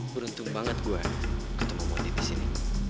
beruntung banget gua ketemu monty disini